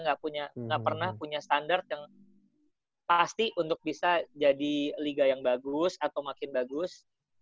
nggak pernah punya standar yang pasti untuk bisa jadi liga yang bagus atau makin bagus